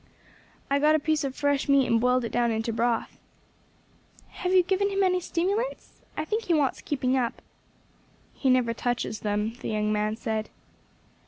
"I got a piece of fresh meat and boiled it down into broth." "Have you given him any stimulants? I think he wants keeping up." "He never touches them," the young man said.